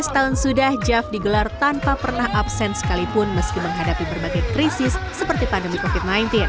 lima belas tahun sudah jav digelar tanpa pernah absen sekalipun meski menghadapi berbagai krisis seperti pandemi covid sembilan belas